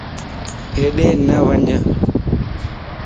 ھيڏي نھ وڃ